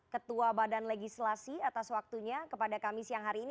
ketua badan legislasi atas waktunya kepada kami siang hari ini